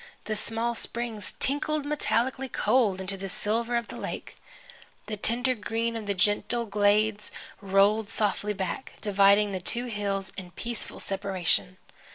The small springs tinkled metallically cold into the silver of the lake. The tender green of the gentle glades rolled softly back, dividing the two hills in peaceful separation.